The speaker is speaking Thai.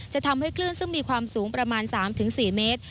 จะทำให้คลื่นซึ่งมีความสูงประมาณ๓๔เมตร